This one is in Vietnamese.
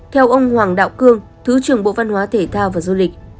theo ông hoàng đạo cương thứ trưởng bộ văn hóa thể thao và du lịch